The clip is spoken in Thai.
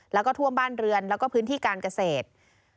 แล้วก็ท่วมบ้านเรือนแล้วก็พื้นที่การเกษตร